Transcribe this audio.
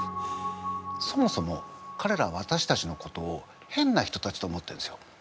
そもそもかれらはわたしたちのことを変な人たちと思ってるんですよ。